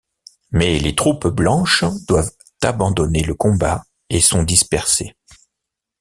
Mais les troupes blanches doivent abandonner le combat et sont dispersées.